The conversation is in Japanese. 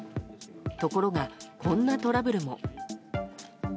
ところが、こんなトラブルも。